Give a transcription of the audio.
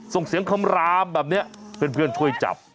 ส่งเสียงคำรามแบบนี้เพื่อนช่วยจับ